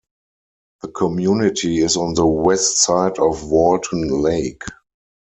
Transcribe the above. The community is on the west side of Walton Lake.